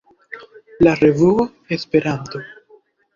la revuo Esperanto.